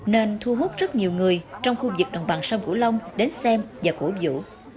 nên thu hút rất nhiều người trong khu vực đồng bằng sông cửu long đến xem và cổ vũ